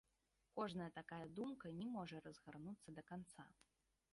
Кожная такая думка не можа разгарнуцца да канца.